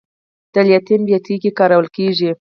د لیتیم بیټرۍ کې کارول کېږي.